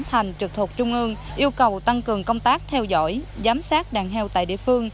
thành trực thuộc trung ương yêu cầu tăng cường công tác theo dõi giám sát đàn heo tại địa phương